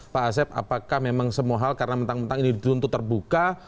pak asep apakah memang semua hal karena mentang mentang ini dituntut terbuka